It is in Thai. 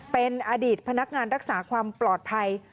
เป็นอดีตพนักงานรักษาความปลอดภัย